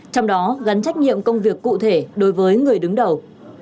trong đó gắn trách nhiệm công việc cụ thể đối với người đứng đầu